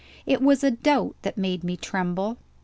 It was a doubt that made me tremble.